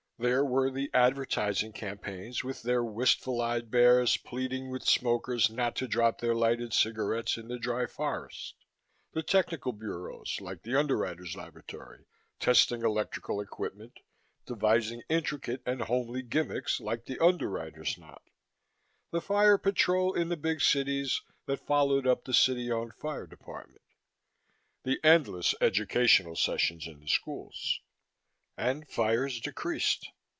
There were the advertising campaigns with their wistful eyed bears pleading with smokers not to drop their lighted cigarettes in the dry forest; the technical bureaus like the Underwriter's Laboratory, testing electrical equipment, devising intricate and homely gimmicks like the underwriter's knot; the Fire Patrol in the big cities that followed up the city owned Fire Department; the endless educational sessions in the schools.... And fires decreased.